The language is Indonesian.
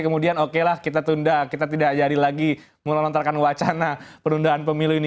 kemudian okelah kita tunda kita tidak jadi lagi melolontarkan wacana penundaan pemilu ini